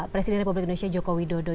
presiden republik indonesia jokowi dodo